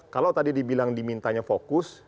kalau tadi dibilang dimintanya fokus